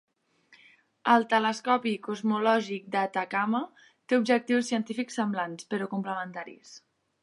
El telescopi cosmològic d'Atacama té objectius científics semblants, però complementaris.